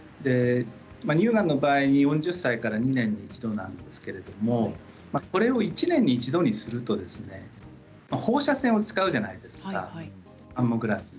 乳がんの場合、４０歳から２年に一度なんですけれどこれを１年に一度にすると放射線を使うじゃないですかマンモグラフィー。